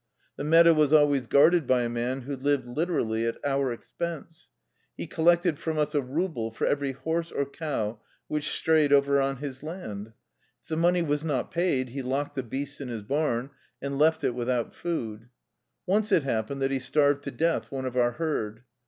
The meadow was always guarded by a man who lived literally at our expense. He collected from us a ruble for every horse or cow which strayed over on his land. If the money was not paid, he locked the beast in his barn and left it without food. Once it happened that he starved to death one of our herd.